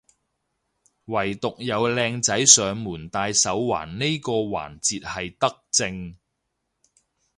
惟獨有靚仔上門戴手環呢個環節係德政